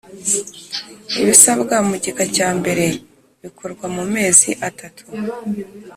Ibisabwa mu gika cya mbere bikorwa mu mezi atatu